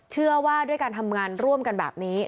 เชื่อว่าด้วยการทำงานร่วมกันแบบนี้